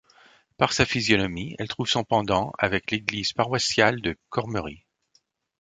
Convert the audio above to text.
Par sa physionomie, elle trouve son pendant avec l’église paroissiale de Cormery.